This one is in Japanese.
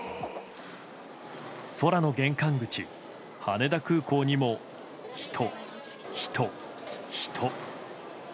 空の玄関口、羽田空港にも人、人、人。